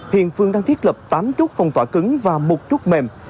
hiện phương đang thiết lập tám chốt phòng tỏa cứng và một chút mềm